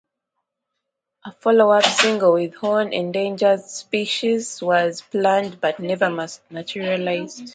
A follow-up single with Horn, "Endangered Species", was planned but never materialised.